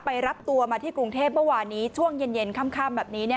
รับตัวมาที่กรุงเทพเมื่อวานนี้ช่วงเย็นค่ำแบบนี้